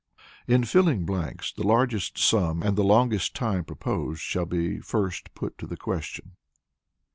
In filling blanks the largest sum and the longest time proposed shall be first put to the question.